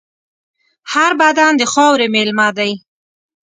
هر بدن د خاورې مېلمه دی.